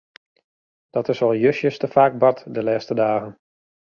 Dat is al justjes te faak bard de lêste dagen.